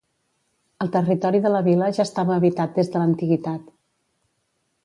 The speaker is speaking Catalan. El territori de la vila ja estava habitat des de l'antiguitat.